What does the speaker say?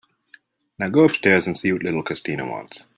Now go upstairs and see what little Christina wants.